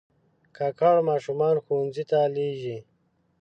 کاکړ ماشومان ښوونځیو ته لېږي.